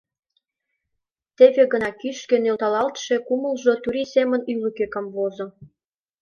Теве гына кӱшкӧ нӧлталалтше кумылжо турий семын ӱлыкӧ камвозо.